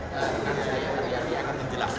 rekan rekan saya yang nanti akan menjelaskan